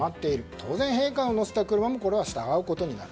当然、陛下を乗せた車も従うことになる。